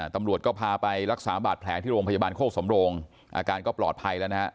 ตำรวจก็พาไปรักษาบาดแผลที่โรงพยาบาลโคกสำโรงอาการก็ปลอดภัยแล้วนะฮะ